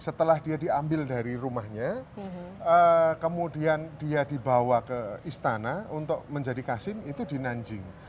setelah dia diambil dari rumahnya kemudian dia dibawa ke istana untuk menjadi kasim itu di nanjing